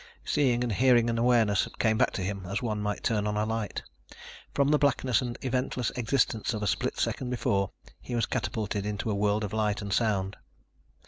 Seeing and hearing and awareness came back to him as one might turn on a light. From the blackness and the eventless existence of a split second before, he was catapulted into a world of light and sound.